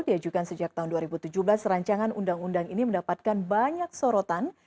diajukan sejak tahun dua ribu tujuh belas rancangan undang undang ini mendapatkan banyak sorotan